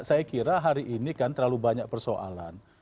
saya kira hari ini kan terlalu banyak persoalan